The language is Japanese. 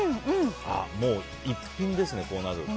もう一品ですね、こうなると。